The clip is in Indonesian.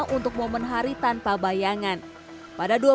untuk memperbaiki kemarau yang tersebar di empat puluh tujuh titik